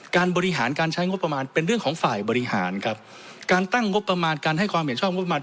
การบริหารการใช้งบประมาณเป็นเรื่องของฝ่ายบริหารครับการตั้งงบประมาณการให้ความเห็นชอบงบประมาณ